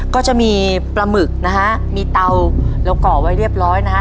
ก็จะมีปลาหมึกนะฮะมีเตาเราก่อไว้เรียบร้อยนะฮะ